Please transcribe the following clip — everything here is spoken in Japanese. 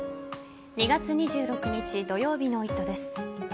２月２６日土曜日の「イット！」です。